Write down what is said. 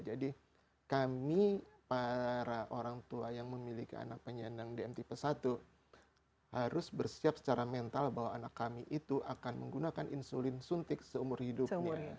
jadi kami para orang tua yang memiliki anak penyenang dmt p satu harus bersiap secara mental bahwa anak kami itu akan menggunakan insulin suntik seumur hidupnya